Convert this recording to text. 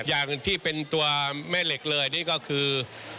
อย่างที่เป็นตัวแม่เหล็กเลยนี่ก็คือ